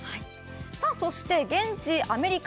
そして現地アメリカ